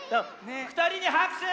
ふたりにはくしゅ！